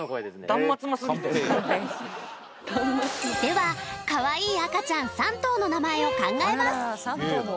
断末魔すぎてではかわいい赤ちゃん３頭の名前を考えます